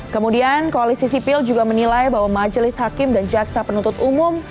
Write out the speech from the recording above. kemudian koalisi sipil juga menilai bahwa majelis hakim dan jaksa penuntut umum